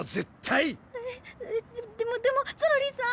ええっでもでもゾロリさん。